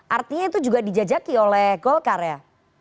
artinya itu juga dijajaki oleh golkar ya